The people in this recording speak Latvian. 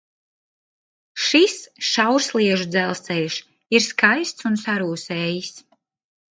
Šis šaursliežu dzelzceļš ir skaists un sarūsējis.